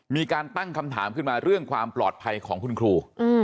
มีการตั้งคำถามขึ้นมาเรื่องความปลอดภัยของคุณครู